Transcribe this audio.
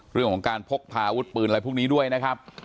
เรื่องของการพกพาอาวุธปืนอะไรพวกนี้ด้วยนะครับ